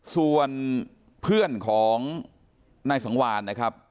ส่วนเพื่อนของนายสังวานนะครับ